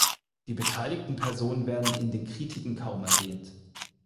Die beteiligten Personen werden in den Kritiken kaum erwähnt.